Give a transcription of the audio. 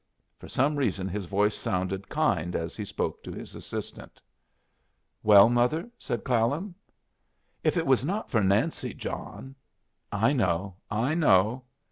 For some reason his voice sounded kind as he spoke to his assistant. "Well, mother?" said Clallam. "If it was not for Nancy, John " "I know, I know.